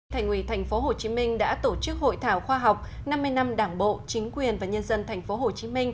thành ủy tp hcm đã tổ chức hội thảo khoa học năm mươi năm đảng bộ chính quyền và nhân dân tp hcm